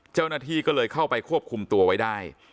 เจ้าหน้าที่ก็เลยเข้าไปควบคุมตัวไว้ได้